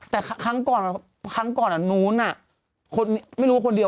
เป็นแผ่นไม่ได้